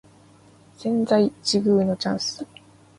千載一遇のチャンス